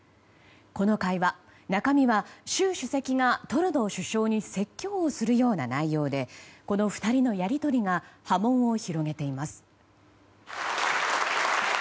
この会話、中身は習主席がトルドー首相に説教をするような内容でこの２人のやり取りが波紋を広げています。